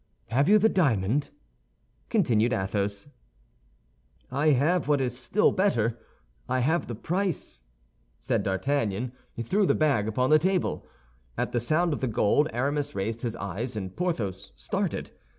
Have you the diamond?" continued Athos. "I have what is still better. I have the price;" and D'Artagnan threw the bag upon the table. At the sound of the gold Aramis raised his eyes and Porthos started.